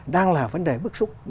đang là vấn đề bức xúc